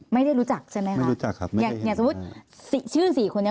อย่างสมมุติชื่อสี่คนนี้